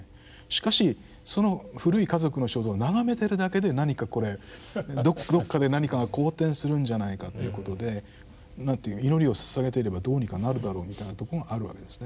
しかしその古い家族の肖像を眺めてるだけで何かこれどっかで何かが好転するんじゃないかということでなんて言う祈りをささげてればどうにかなるだろうみたいなとこがあるわけですね。